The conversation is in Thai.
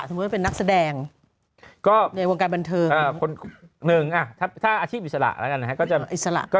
สมมุติเป็นนักแสดงก็ในวงการบันเทิงอาชีพอิสระก็จะอิสระก็